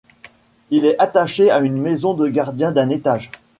Il est attaché à une maison de gardiens d'un étage.